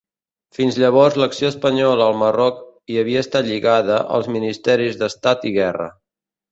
Fins llavors l'acció espanyola al Marroc hi havia estat lligada als Ministeris d'Estat i Guerra.